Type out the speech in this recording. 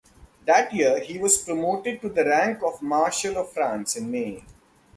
That year he was promoted to the rank of Marshal of France in May.